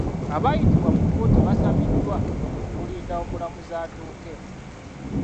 Abaayitibwa mu kkooti basabiddwa okulinda omulamuzi atuuke.